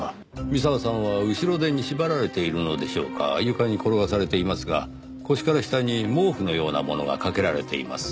三沢さんは後ろ手に縛られているのでしょうか床に転がされていますが腰から下に毛布のようなものがかけられています。